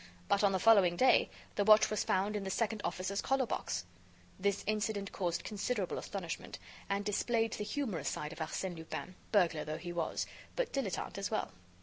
But, on the following day, the watch was found in the second officer's collar box. This incident caused considerable astonishment, and displayed the humorous side of Arsène Lupin, burglar though he was, but dilettante as well.